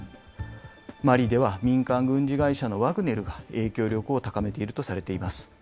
マリでは民間軍事会社のワグネルが影響力を高めているとされています。